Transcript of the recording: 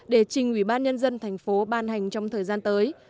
để trình ủy ban nhân dân thành phố ban hành trong thời gian tới